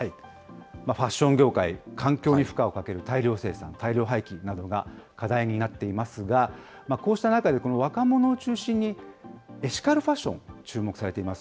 ファッション業界、環境に負荷をかける大量生産、大量廃棄などが課題になっていますが、こうした中で、若者を中心にエシカルファッション注目されています。